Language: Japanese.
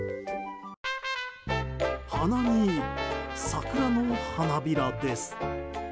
鼻に、桜の花びらです。